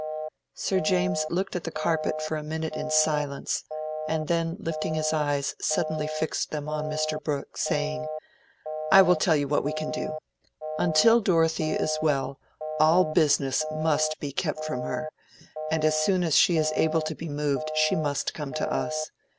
Sir James looked at the carpet for a minute in silence, and then lifting his eyes suddenly fixed them on Mr. Brooke, saying, "I will tell you what we can do. Until Dorothea is well, all business must be kept from her, and as soon as she is able to be moved she must come to us.